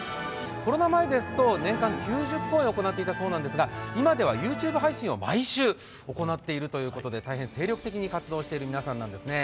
コロナ前ですと年間９０公演を行っていたそうなんですが、今ではＹｏｕＴｕｂｅ配信を毎週行っているということで大変精力的に活動している皆さんなんですね。